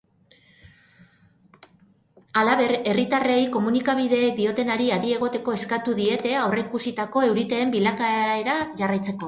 Halaber, eherritarrei komunikabideek diotenari adi egoteko eskatu diete aurreikusitako euriteen bilakaera jarraitzeko.